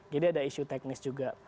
jadi ada isu teknis juga